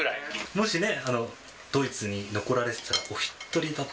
もしね、ドイツに残られてたら、お１人だった？